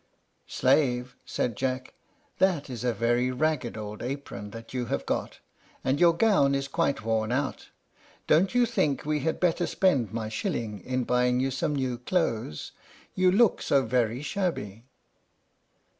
"Slave," said Jack, "that is a very ragged old apron that you have got, and your gown is quite worn out. Don't you think we had better spend my shilling in buying you some new clothes? You look so very shabby."